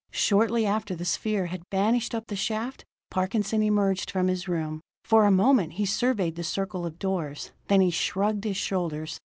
Shortly after the sphere had vanished up the shaft, Parkinson emerged from his room. For a moment he surveyed the circle of doors: then he shrugged his shoulders.